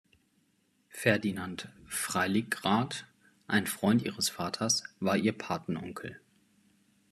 Ferdinand Freiligrath, ein Freund ihres Vaters, war ihr Patenonkel.